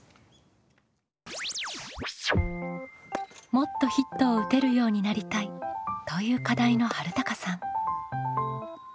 「もっとヒットを打てるようになりたい」という課題のはるたかさん。